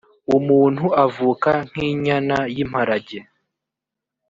umuntu avuka nk inyana y imparage